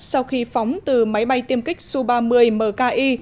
sau khi phóng từ máy bay tiêm kích su ba mươi mki